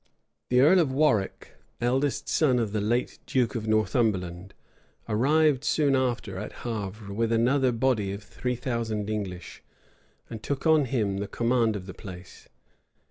The earl of Warwick, eldest son of the late duke of Northumberland, arrived soon after at Havre with another body of three thousand English, and took on him the command of the place.